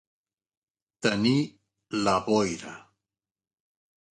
Tenir la boira.